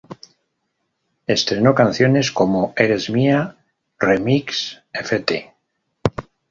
Estrenó canciones como "Eres Mía Remix" ft.